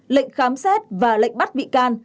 lệnh khám xét và lệnh bắt bị can